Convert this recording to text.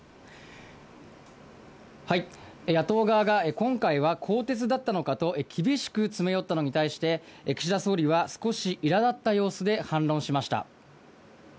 野党側が、今回は更迭だったのかと厳しく詰め寄ったのに対して、岸田総理は少しいらだった様子で反論しました。